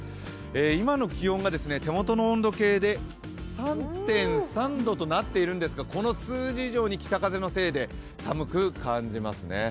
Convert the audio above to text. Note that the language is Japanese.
今の気温が手元の温度計で３．３度となっているんですけどこの数字以上に北風のせいで寒く感じますね。